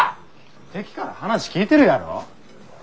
テキから話聞いてるやろ？